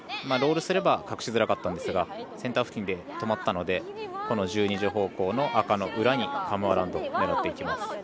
ロールすれば隠しづらかったんですがセンター付近で止まったのでこの１２時方向の赤の裏にカム・アラウンドを狙っていきます。